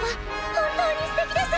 本当にすてきです！